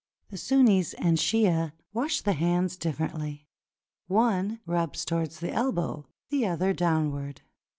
The Sunnis and Shiah wash the hands differently. One rubs toward the elbow, the other downward.